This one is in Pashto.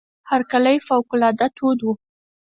هرکلی فوق العاده تود وو.